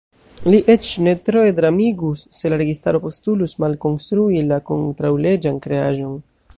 Li eĉ ne troe dramigus, se la registaro postulus malkonstrui la kontraŭleĝan kreaĵon.